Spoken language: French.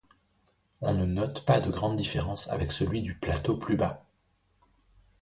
On ne note pas de grandes différences avec celui du plateau plus bas.